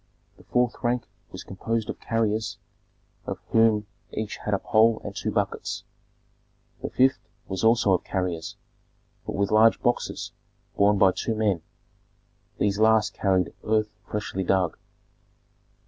The fourth rank was composed of carriers, of whom each had a pole and two buckets; the fifth was also of carriers, but with large boxes borne by two men. These last carried earth freshly dug.